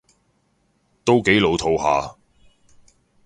都幾老套吓